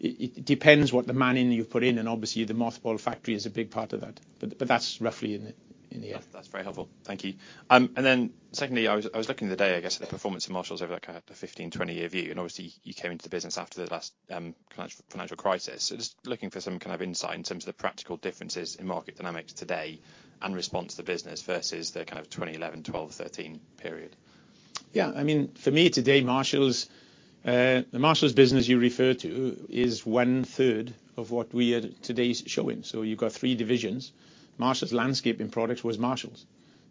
It depends what the manning you put in, and obviously, the mothball factory is a big part of that, but that's roughly in the, in the air. That's very helpful. Thank you. Then secondly, I was, I was looking today, I guess, at the performance of Marshalls over, like, a 15, 20-year view, and obviously you came into the business after the last financial, financial crisis. Just looking for some kind of insight in terms of the practical differences in market dynamics today and response to the business versus the kind of 2011, 2012, 2013 period. Yeah. I mean, for me, today, Marshalls, the Marshalls business you refer to is one third of what we are today showing. You've got three divisions. Marshalls Landscape Products was Marshalls,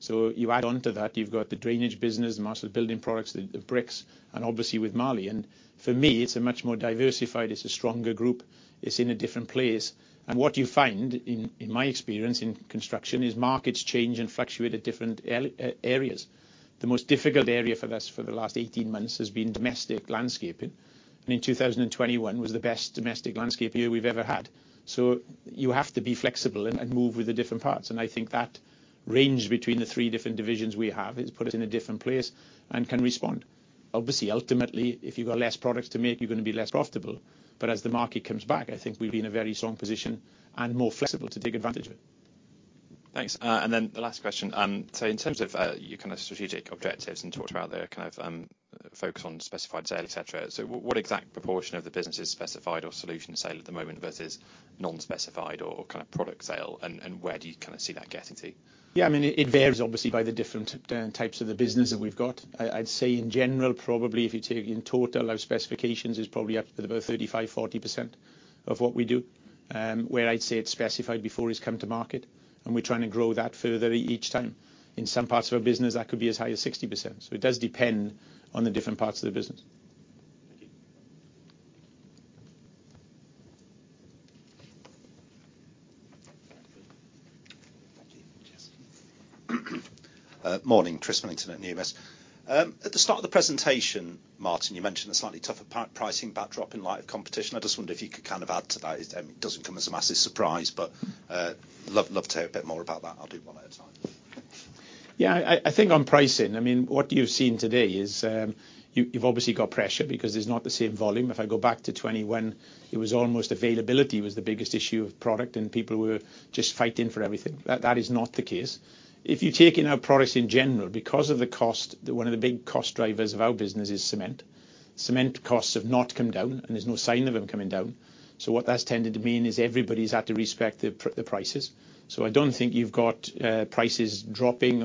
you add on to that, you've got the drainage business, the Marshalls Building Products, the, the bricks, and obviously with Marley. For me, it's a much more diversified, it's a stronger group. It's in a different place, what you find in, in my experience in construction, is markets change and fluctuate at different areas. The most difficult area for us for the last 18 months has been domestic landscaping, in 2021 was the best domestic landscape year we've ever had. You have to be flexible and, and move with the different parts, and I think that range between the three different divisions we have has put us in a different place and can respond. Obviously, ultimately, if you've got less products to make, you're going to be less profitable. As the market comes back, I think we'll be in a very strong position and more flexible to take advantage of it. Thanks. Then the last question. In terms of your kind of strategic objectives and talked about the kind of focus on specified sale, et cetera. W-what exact proportion of the business is specified or solution sale at the moment versus non-specified or kind of product sale, and where do you kind of see that getting to? Yeah, I mean, it, it varies obviously by the different types of the business that we've got. I, I'd say in general, probably if you take in total, our specifications is probably up to about 35%-40% of what we do, where I'd say it's specified before it's come to market, and we're trying to grow that further each time. In some parts of our business, that could be as high as 60%, so it does depend on the different parts of the business. Thank you. Morning, Chris Millington at Numis. At the start of the presentation, Martyn, you mentioned a slightly tougher pri-pricing backdrop in light of competition. I just wonder if you could kind of add to that. It doesn't come as a massive surprise, but love, love to hear a bit more about that. I'll do one at a time. Yeah, I, I think on pricing, I mean, what you've seen today is, you've obviously got pressure because it's not the same volume. If I go back to 2021, it was almost availability was the biggest issue of product, and people were just fighting for everything. That, that is not the case. If you take in our products in general, because of the cost, One of the big cost drivers of our business is cement. Cement costs have not come down, and there's no sign of them coming down. What that's tended to mean is everybody's had to respect the prices. I don't think you've got prices dropping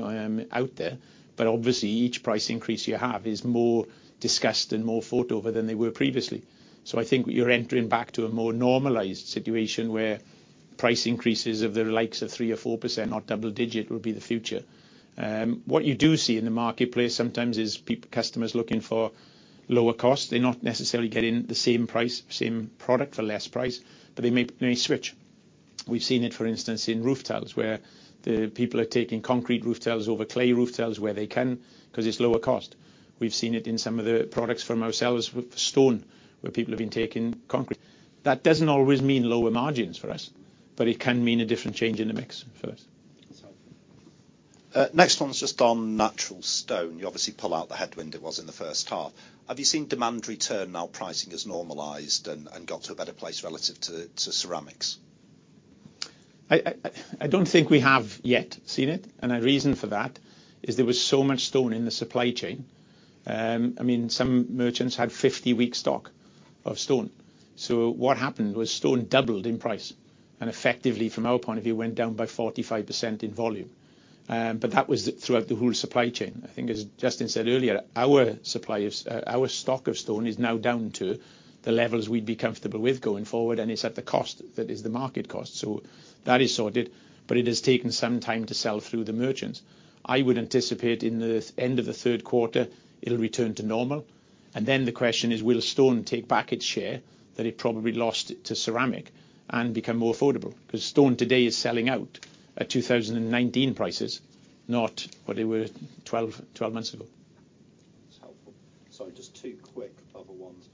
out there, but obviously each price increase you have is more discussed and more thought over than they were previously. I think you're entering back to a more normalized situation, where price increases of the likes of 3% or 4% or double-digit will be the future. What you do see in the marketplace sometimes is customers looking for lower cost. They're not necessarily getting the same price, same product for less price, but they may, may switch. We've seen it, for instance, in roof tiles, where the people are taking concrete roof tiles over clay roof tiles where they can, 'cause it's lower cost. We've seen it in some of the products from ourselves with stone, where people have been taking concrete. That doesn't always mean lower margins for us, but it can mean a different change in the mix for us. That's helpful. Next one's just on natural stone. You obviously pull out the headwind it was in the first half. Have you seen demand return now, pricing has normalized and, and got to a better place relative to, to ceramics? I don't think we have yet seen it, and the reason for that is there was so much stone in the supply chain. I mean, some merchants had 50 week stock of stone. What happened was stone doubled in price, and effectively, from our point of view, went down by 45% in volume. That was throughout the whole supply chain. I think, as Justin said earlier, our suppliers, our stock of stone is now down to the levels we'd be comfortable with going forward, and it's at the cost, that is the market cost. That is sorted. It has taken some time to sell through the merchants. I would anticipate in the end of the third quarter, it'll return to normal. The question is, will stone take back its share that it probably lost to ceramic and become more affordable? 'Cause stone today is selling out at 2019 prices, not what they were 12 months ago. That's helpful. Sorry, just two quick other ones,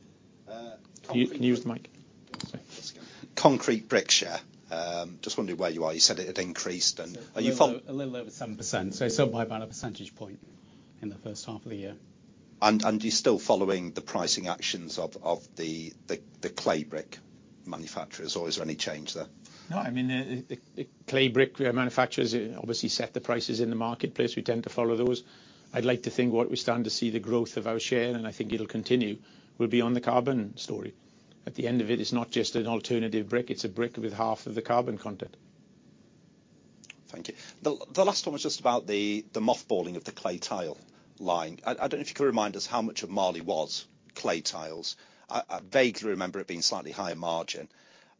concrete- Can you use the mic? Sorry. Concrete brickshare, just wondering where you are. You said it had increased, and are you follow- A little over 7%, so it's up by about a percentage point in the first half of the year. And you're still following the pricing actions of, of the, the, the clay brick manufacturers, or is there any change there? No, I mean, clay brick manufacturers obviously set the prices in the marketplace. We tend to follow those. I'd like to think what we stand to see the growth of our share, and I think it'll continue, will be on the carbon story. At the end of it, it's not just an alternative brick, it's a brick with half of the carbon content. Thank you. The, the last one was just about the, the mothballing of the clay tile line. I, I don't know if you can remind us how much of Marley was clay tiles. I, I vaguely remember it being slightly higher margin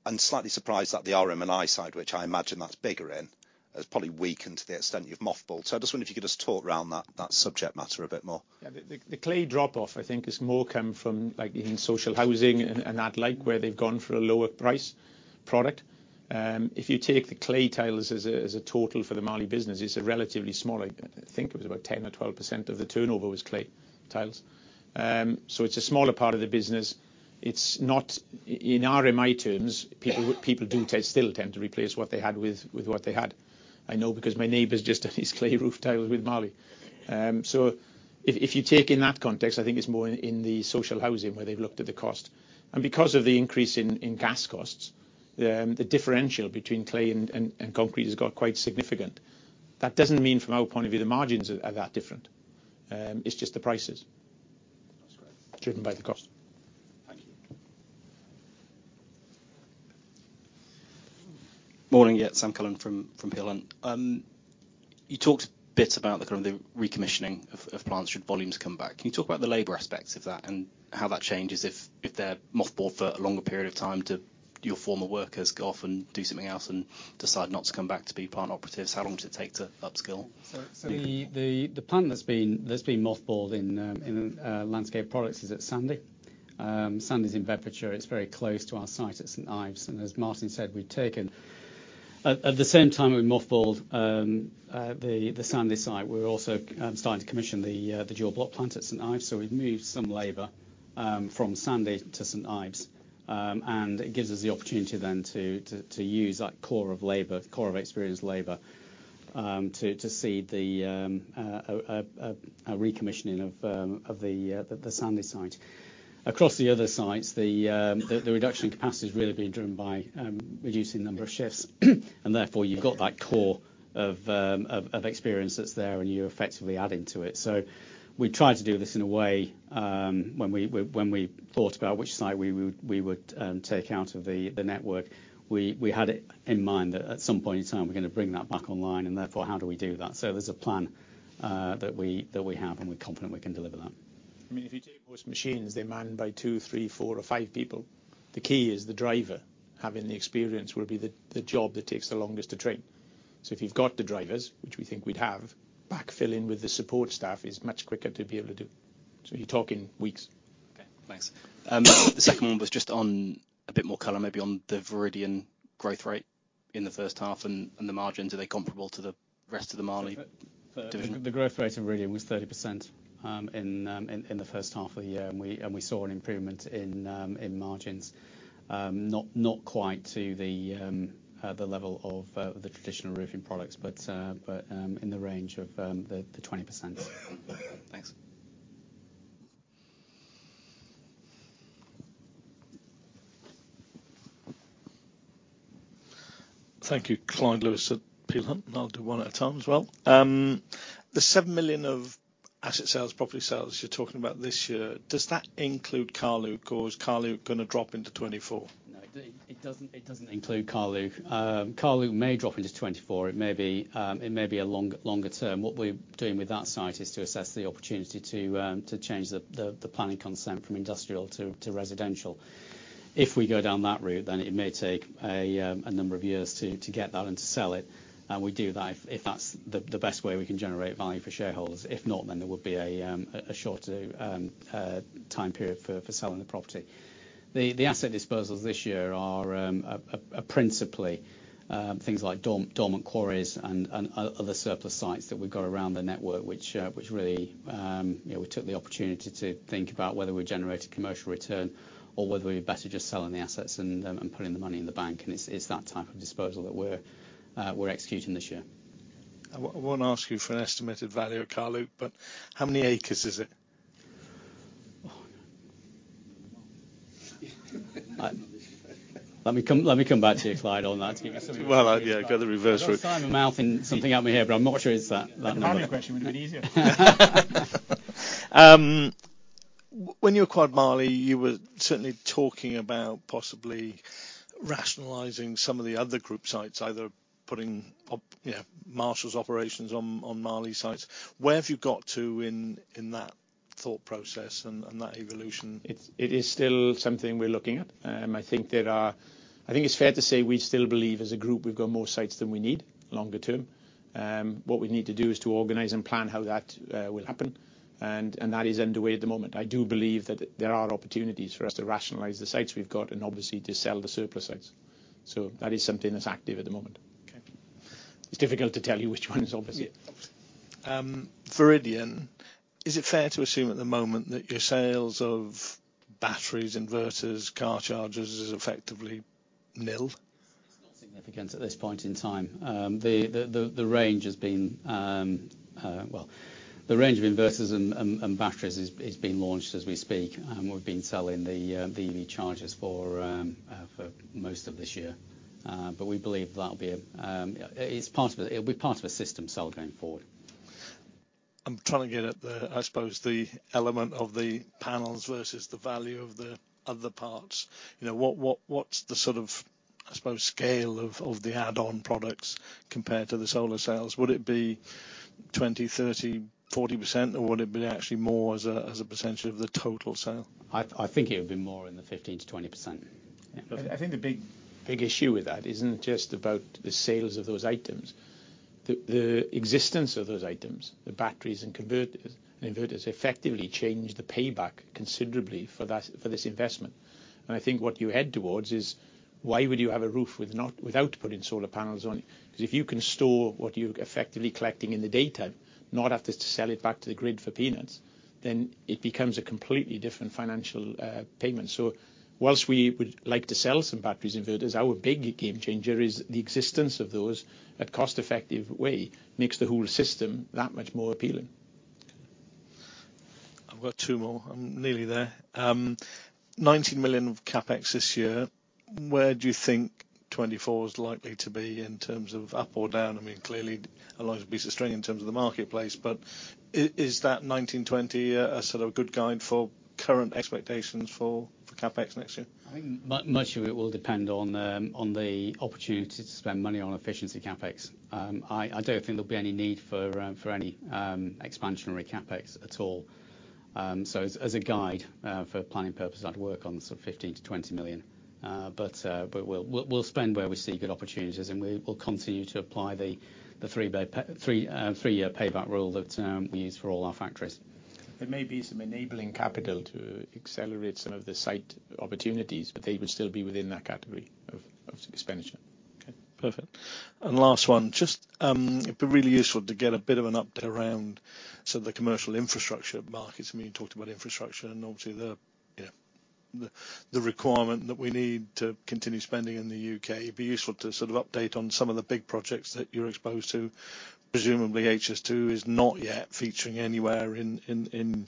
and slightly surprised at the RMI side, which I imagine that's bigger in, has probably weakened to the extent you've mothballed. I just wonder if you could just talk around that, that subject matter a bit more. Yeah. The, the, the clay drop off, I think, is more coming from like in social housing and, and that like, where they've gone for a lower price product. If you take the clay tiles as a, as a total for the Marley business, it's a relatively small... I, I think it was about 10% or 12% of the turnover was clay tiles. It's a smaller part of the business. It's not, in RMI terms, people, people do still tend to replace what they had with, with what they had. I know, because my neighbor's just done his clay roof tiles with Marley. If, if you take in that context, I think it's more in, in the social housing where they've looked at the cost. Because of the increase in, in gas costs, the differential between clay and, and, and concrete has got quite significant. That doesn't mean from our point of view, the margins are, are that different. It's just the prices- That's great.... driven by the cost. Thank you. Morning, yeah, Sam Cullen from, from Peel Hunt. You talked a bit about the kind of the recommissioning of, of plants should volumes come back. Can you talk about the labor aspects of that and how that changes if, if they're mothballed for a longer period of time to your former workers go off and do something else and decide not to come back to be plant operatives? How long does it take to upskill? The plan that's been, that's been mothballed in Landscape Products is at Sandy. Sandy's in Bedfordshire. It's very close to our site at St. Ives, and as Martyn said, we've taken. At the same time, we mothballed the Sandy site. We're also starting to commission the dual block plant at St. Ives, so we've moved some labor from Sandy to St. Ives. It gives us the opportunity then to use that core of labor, core of experienced labor, to see a recommissioning of the Sandy site. Across the other sites, the reduction in capacity has really been driven by reducing the number of shifts, and therefore, you've got that core of experience that's there, and you're effectively adding to it. We tried to do this in a way, when we thought about which site we would take out of the network, we had it in mind that at some point in time, we're gonna bring that back online, and therefore, how do we do that? There's a plan that we have, and we're confident we can deliver that. I mean, if you take most machines, they're manned by two, three, four or five people. The key is the driver, having the experience would be the job that takes the longest to train. If you've got the drivers, which we think we'd have, back filling with the support staff is much quicker to be able to do. You're talking weeks. Okay, thanks. The second one was just on a bit more color, maybe on the Viridian growth rate in the first half, and, and the margins. Are they comparable to the rest of the Marley division? The growth rate in Viridian was 30% in the first half of the year, and we saw an improvement in margins. Not quite to the level of the traditional roofing products, but in the range of the 20%. Thanks. Thank you. Clyde Lewis, Peel Hunt, I'll do one at a time as well. The 7 million of asset sales, property sales you're talking about this year, does that include Carluke, or is Carluke gonna drop into 2024? No, it, it doesn't, it doesn't include Carluke. Carluke may drop into 2024. It may be, it may be a longer term. What we're doing with that site is to assess the opportunity to change the, the, the planning consent from industrial to, to residential. If we go down that route, then it may take a number of years to get that and to sell it, and we do that if, if that's the, the best way we can generate value for shareholders. If not, then there would be a shorter time period for selling the property. The, the asset disposals this year are principally, things like dormant quarries and other surplus sites that we've got around the network, which, which really, you know, we took the opportunity to think about whether we generated commercial return or whether we're better just selling the assets and putting the money in the bank, and it's, it's that type of disposal that we're executing this year. I won't ask you for an estimated value of Carluke, but how many acres is it? Let me come back to you, Clyde, on that to give me some. Well, yeah, go the reverse route. I'm trying my mouth in something out here, but I'm not sure it's that, that number. The Marley question would be easier. When you acquired Marley, you were certainly talking about possibly rationalizing some of the other group sites, either putting up, you know, Marshalls operations on Marley sites. Where have you got to in that?.. thought process and, and that evolution. It, it is still something we're looking at. I think there are- I think it's fair to say we still believe, as a group, we've got more sites than we need longer term. What we need to do is to organize and plan how that will happen, and, and that is underway at the moment. I do believe that there are opportunities for us to rationalize the sites we've got and obviously to sell the surplus sites. That is something that's active at the moment. Okay. It's difficult to tell you which one is obvious. Viridian, is it fair to assume at the moment that your sales of batteries, inverters, car chargers, is effectively nil? It's not significant at this point in time. The range of inverters and batteries is being launched as we speak, and we've been selling the EV chargers for most of this year. We believe that'll be a. It's part of it. It'll be part of a system sell going forward. I'm trying to get at the, I suppose, the element of the panels versus the value of the other parts. You know, what, what, what's the sort of, I suppose, scale of, of the add-on products compared to the solar cells? Would it be 20, 30, 40%, or would it be actually more as a, as a percentage of the total sale? I think it would be more in the 15%-20%. I, I think the big, big issue with that isn't just about the sales of those items. The, the existence of those items, the batteries and converters, inverters, effectively change the payback considerably for that, for this investment. I think what you head towards is, why would you have a roof without putting solar panels on it? If you can store what you're effectively collecting in the daytime, not have to sell it back to the grid for peanuts, then it becomes a completely different financial payment. Whilst we would like to sell some batteries, inverters, our big game changer is the existence of those, a cost-effective way makes the whole system that much more appealing. I've got two more. I'm nearly there. 19 million of CapEx this year, where do you think 2024 is likely to be in terms of up or down? I mean, clearly, a lot of piece of string in terms of the marketplace, but is that 19 million-20 million a sort of good guide for current expectations for CapEx next year? I think much of it will depend on, on the opportunity to spend money on efficiency CapEx. I, I don't think there'll be any need for, for any, expansionary CapEx at all. As a guide, for planning purposes, I'd work on sort of 15 million-20 million. We'll spend where we see good opportunities, and we will continue to apply the, the three by three-year payback rule that we use for all our factories. There may be some enabling capital to accelerate some of the site opportunities, but they would still be within that category of expenditure. Okay, perfect. Last 1, just, it'd be really useful to get a bit of an update around some of the commercial infrastructure markets. I mean, you talked about infrastructure and obviously the, you know, the, the requirement that we need to continue spending in the U.K. It'd be useful to sort of update on some of the big projects that you're exposed to. Presumably, HS2 is not yet featuring anywhere in, in, in,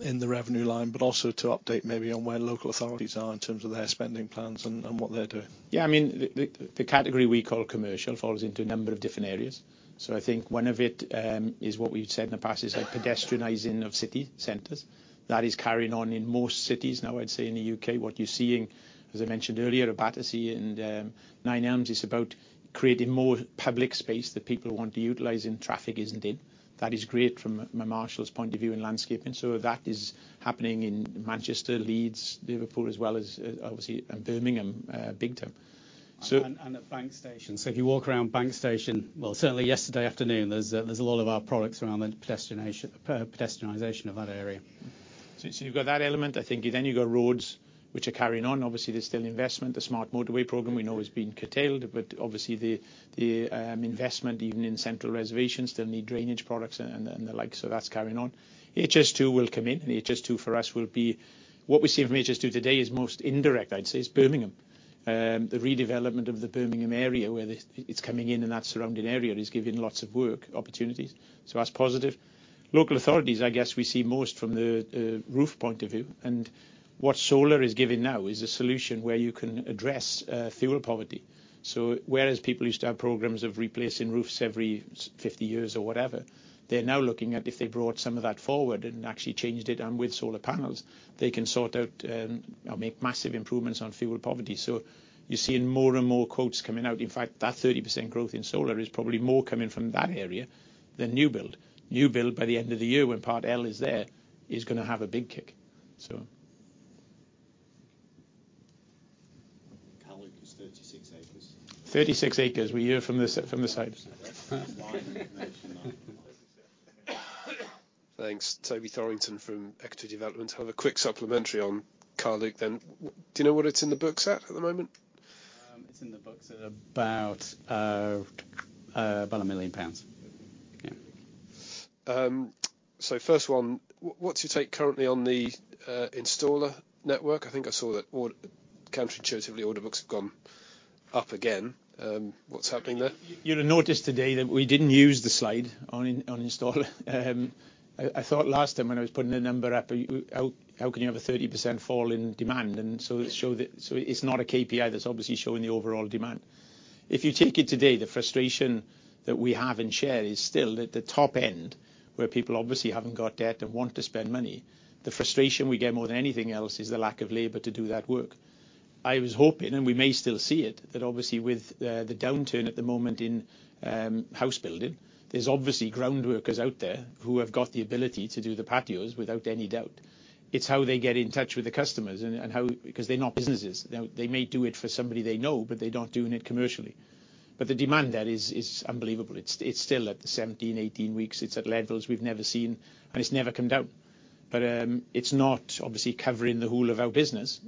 in the revenue line, but also to update maybe on where local authorities are in terms of their spending plans and, and what they're doing. Yeah. I mean, the, the, the category we call commercial falls into a number of different areas. I think one of it is what we've said in the past, is the pedestrianizing of city centers. That is carrying on in most cities now, I'd say, in the U.K. What you're seeing, as I mentioned earlier, Battersea and Nine Elms, is about creating more public space that people want to utilize, and traffic isn't it. That is great from a Marshalls' point of view in landscaping. That is happening in Manchester, Leeds, Liverpool, as well as, obviously, Birmingham, big time. At Bank Station. If you walk around Bank Station, well, certainly yesterday afternoon, there's, there's a lot of our products around the pedestrianization of that area. You've got that element. I think then you've got roads, which are carrying on. Obviously, there's still investment. The Smart Motorway Programme we know has been curtailed, but obviously, the investment, even in central reservation, still need drainage products and the like, so that's carrying on. HS2 will come in, and HS2, for us, will be... What we see from HS2 today is most indirect, I'd say, is Birmingham. The redevelopment of the Birmingham area, where the, it's coming in and that surrounding area, is giving lots of work opportunities, so that's positive. Local authorities, I guess, we see most from the roof point of view, and what solar is giving now is a solution where you can address fuel poverty. Whereas people used to have programs of replacing roofs every 50 years or whatever, they're now looking at if they brought some of that forward and actually changed it, and with solar panels, they can sort out or make massive improvements on fuel poverty. You're seeing more and more quotes coming out. In fact, that 30% growth in solar is probably more coming from that area than new build. New build, by the end of the year, when Part L is there, is gonna have a big kick. Carluke is 36 acres. 36 acres. We hear from the from the site. Thanks. Toby Thorrington from Equity Development. I have a quick supplementary on Carluke, then. Do you know where it's in the books at, at the moment? It's in the books at about 1 million. Yeah. First one, what's your take currently on the installer network? I think I saw that order, counterintuitively, order books have gone up again. What's happening there? You'll notice today that we didn't use the slide on, in, on installer. I, I thought last time when I was putting the number up, how, how can you have a 30% fall in demand? It showed that... it's not a KPI that's obviously showing the overall demand. If you take it today, the frustration that we have and share is still at the top end, where people obviously haven't got debt and want to spend money. The frustration we get more than anything else is the lack of labor to do that work.... I was hoping, and we may still see it, that obviously with the, the downturn at the moment in house building, there's obviously ground workers out there who have got the ability to do the patios without any doubt. It's how they get in touch with the customers and how 'cause they're not businesses. Now, they may do it for somebody they know, but they're not doing it commercially. The demand there is, is unbelievable. It's still at the 17, 18 weeks. It's at levels we've never seen, and it's never come down. It's not obviously covering the whole of our business.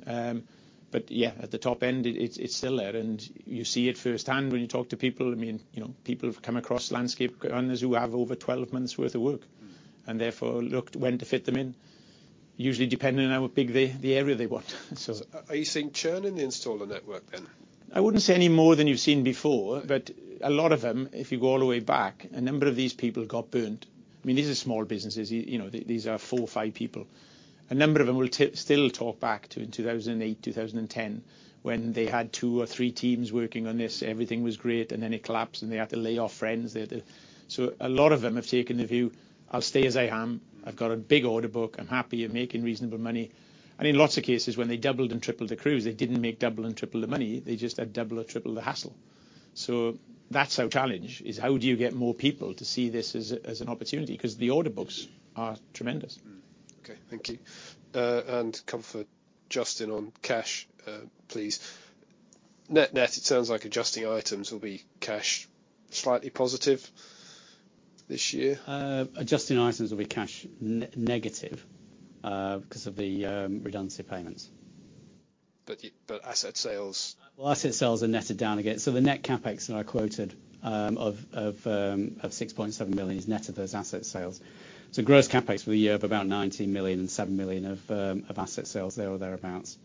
Yeah, at the top end, it's still there, and you see it firsthand when you talk to people. I mean, you know, people have come across landscape owners who have over 12 months' worth of work, and therefore, look when to fit them in, usually depending on how big the area they want. Are you seeing churn in the installer network then? I wouldn't say any more than you've seen before, but a lot of them, if you go all the way back, a number of these people got burned. I mean, these are small businesses. You know, these are four, five people. A number of them will still talk back to in 2008, 2010, when they had two or three teams working on this, everything was great, and then it collapsed, and they had to lay off friends there. A lot of them have taken the view: "I'll stay as I am. I've got a big order book. I'm happy. I'm making reasonable money." In lots of cases, when they doubled and tripled the crews, they didn't make double and triple the money. They just had double or triple the hassle. That's our challenge, is how do you get more people to see this as, as an opportunity? 'Cause the order books are tremendous. Mm. Okay, thank you. Come for Justin on cash, please. Net net, it sounds like adjusting items will be cash slightly positive this year. Adjusting items will be cash negative because of the redundancy payments. But asset sales? Well, asset sales are netted down again. The net CapEx that I quoted, of, of, of 6.7 million is net of those asset sales. Gross CapEx for the year of about 19 million and 7 million of, of asset sales, there or thereabouts.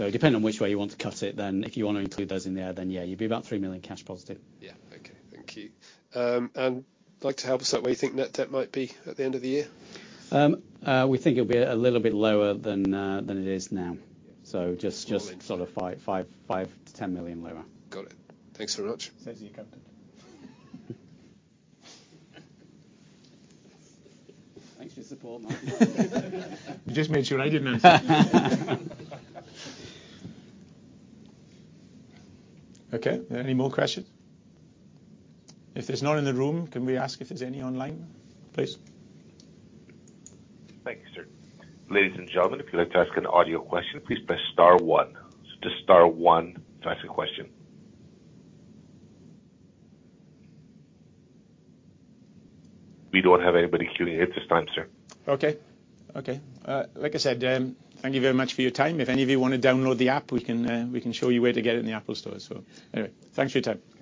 Yeah. Depending on which way you want to cut it, then if you want to include those in there, then, yeah, you'd be about 3 million cash positive. Yeah. Okay. Thank you. I'd like to have us that way, you think net debt might be at the end of the year? We think it'll be a little bit lower than, than it is now. Small... sort of 5 million-10 million lower. Got it. Thanks very much. Says he recovered. Thanks for your support, Mark. You just made sure I didn't answer. Okay, any more questions? If there's none in the room, can we ask if there's any online, please? Thank you, sir. Ladies and gentlemen, if you'd like to ask an audio question, please press star one. Just star one to ask a question. We don't have anybody queuing at this time, sir. Okay. Okay. Like I said, thank you very much for your time. If any of you want to download the app, we can show you where to get it in the Apple Store. Anyway, thanks for your time. Thank you.